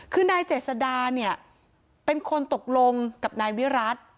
คือนายเจษดาเนี่ยเป็นคนตกลงกับนายวิรัติ